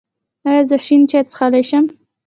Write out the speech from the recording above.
ایا زه شین چای څښلی شم؟